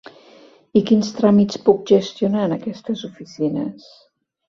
I quins tràmits puc gestionar en aquestes oficines?